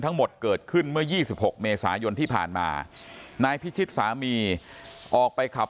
เกิดขึ้นเมื่อ๒๖เมษายนที่ผ่านมานายพิชิตสามีออกไปขับ